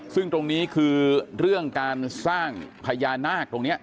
ซึ่งตรงนี้คือเรื่องการสร้างพญานาคตรงนี้